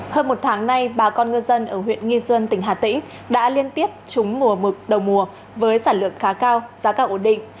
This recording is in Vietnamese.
hơn một tháng nay bà con ngư dân ở huyện nghi xuân tỉnh hà tĩnh đã liên tiếp trúng mùa mực đầu mùa với sản lượng khá cao giá cả ổn định